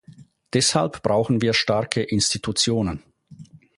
Deshalb brauchen wir starke Institutionen.